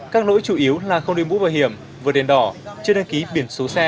các lỗi chủ yếu là không đưa bút bảo hiểm vượt đèn đỏ chưa đăng ký biển số xe